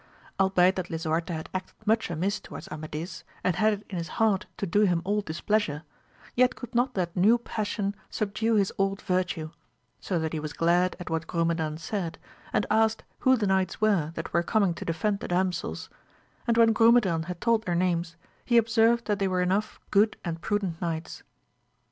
Albeit that Lisuarte had acted much amiss toward Amadis, and had it in his heart to do him all displeasure, yet could not that new passion subdue his old virtue, so that he was glad at what Grumedan said, and asked who the knights were that were coming to defend the damsels, and when Gru medan had told their names, he observed that they were enough good and prudent knights.